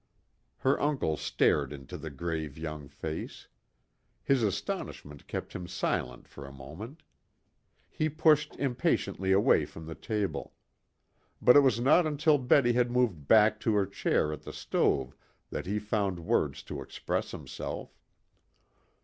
Her uncle stared into the grave young face. His astonishment kept him silent for a moment. He pushed impatiently away from the table. But it was not until Betty had moved back to her chair at the stove that he found words to express himself.